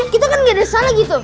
kita kan gak ada salah gitu